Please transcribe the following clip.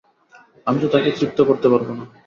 আমি তো তাঁকে তৃপ্ত করতে পারব না।